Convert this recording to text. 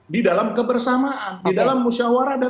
di dalam kebersamaan di dalam musyawarah dan